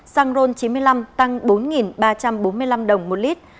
xăng ron chín mươi năm tăng bốn ba trăm bốn mươi năm đồng một lít